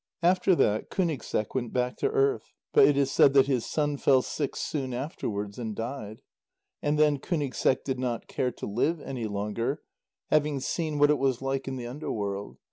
After that, Kúnigseq went back to earth, but it is said that his son fell sick soon afterwards, and died. And then Kúnigseq did not care to live any longer, having seen what it was like in the underworld.